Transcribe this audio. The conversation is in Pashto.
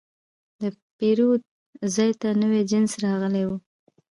د پیرود ځای ته نوی جنس راغلی و.